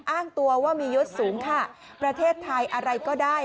อ้างตัวว่ามียศสูงค่ะประเทศไทยอะไรก็ได้